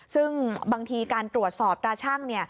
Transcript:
ซึ่งบางทีการตรวจสอบตราชั่ง